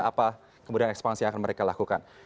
apa kemudian ekspansi yang akan mereka lakukan